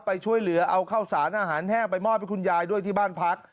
ไปช่วยเหลือเอาข้าวสารอาหารแห้งไปมอบให้คุณยายด้วยที่บ้านพัก